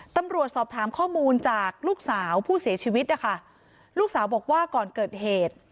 ตำรวจสอบถามข้อมูลจากลูกสาวผู้เสียชีวิตนะคะลูกสาวบอกว่าก่อนเกิดเหตุ